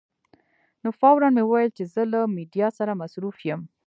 نو فوراً مې وویل چې زه له میډیا سره مصروف یم.